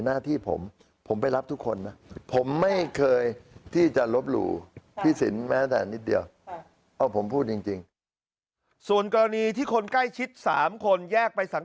หน้าที่ผมผมไปรับทุกคน